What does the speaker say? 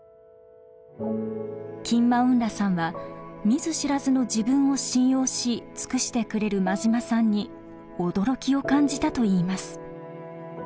キン・マウン・ラさんは見ず知らずの自分を信用し尽くしてくれる馬島さんに驚きを感じたといいます。